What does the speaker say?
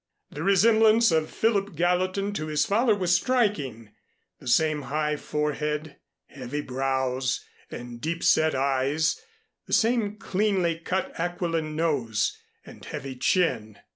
The resemblance of Philip Gallatin to his father was striking the same high forehead, heavy brows and deep set eyes, the same cleanly cut aquiline nose, and heavy chin.